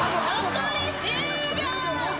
残り１０秒。